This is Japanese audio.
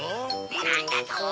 なんだと！